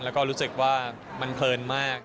แล้วก็รู้สึกว่ามันเพลินมาก